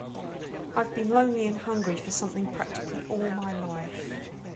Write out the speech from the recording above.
I've been lonely and hungry for something practically all my life.